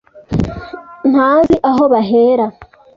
ntazi aho bahera.